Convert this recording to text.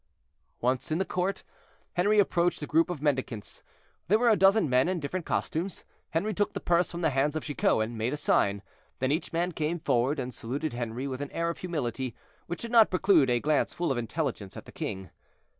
Once in the court, Henri approached the group of mendicants. There were a dozen men in different costumes. Henri took the purse from the hands of Chicot and made a sign, and then each man came forward and saluted Henri with an air of humility, which did not preclude a glance full of intelligence at the king.